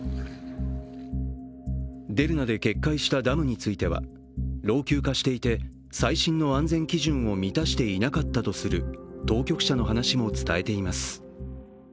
デルナで決壊したダムについては老朽化していて、最新の安全基準を満たしていなかったとする当局者の話も伝えています。